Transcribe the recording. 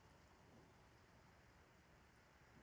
Diferentes estilos musicales provocaban diferentes efectos.